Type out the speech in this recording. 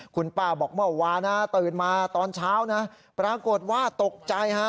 คุณป้าบอกเมื่อวานนะตื่นมาตอนเช้านะปรากฏว่าตกใจฮะ